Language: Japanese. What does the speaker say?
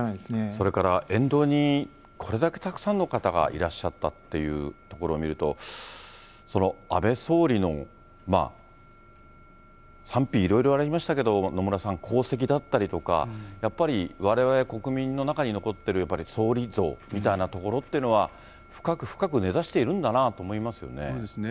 それから沿道にこれだけたくさんの方がいらっしゃったっていうところを見ると、その安倍総理の賛否、いろいろありましたけれども、野村さん、功績だったりとか、やっぱりわれわれ国民の中に残ってる総理像みたいなところっていうのは、深く深く根ざしているんだなと思いますよね。